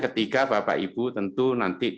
ketiga bapak ibu tentu nanti